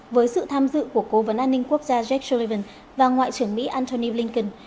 với sự tham dự của cố vấn an ninh quốc gia jek sullivan và ngoại trưởng mỹ antony blinken